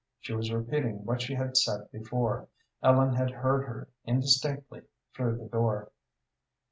She was repeating what she had said before. Ellen had heard her indistinctly through the door.